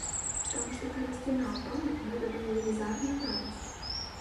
Таму што, калі сцяна ўпала, гэта была велізарная радасць!